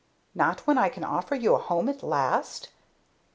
Not when I can offer you a home at last?